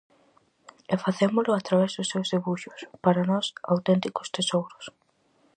E facémolo a través dos seus debuxos, para nós, auténticos tesouros.